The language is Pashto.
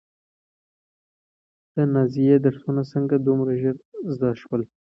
د نازيې درسونه څنګه دومره ژر زده شول؟